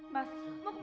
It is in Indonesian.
mas mau ke mas